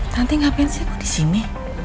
nanti ngapain sih lo disini